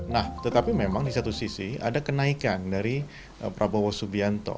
nah tetapi memang di satu sisi ada kenaikan dari prabowo subianto